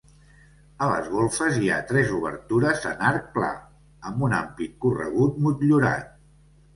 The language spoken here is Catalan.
A les golfes, hi ha tres obertures en arc pla, amb un ampit corregut motllurat.